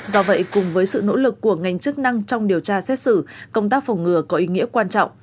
do vậy cùng với sự nỗ lực của ngành chức năng trong điều tra xét xử công tác phòng ngừa có ý nghĩa quan trọng